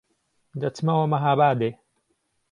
دهچمهوه مههابادێ